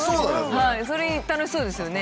それ楽しそうですよね。